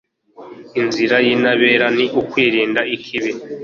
inzira y'intabera ni ukwirinda ikibi